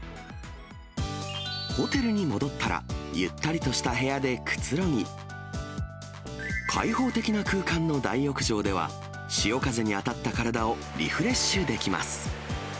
ホテルに戻ったら、ゆったりとした部屋でくつろぎ、開放的な空間の大浴場では、潮風に当たった体をリフレッシュできます。